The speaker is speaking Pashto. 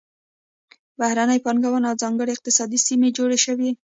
بهرنۍ پانګونه او ځانګړې اقتصادي سیمې جوړې شوې.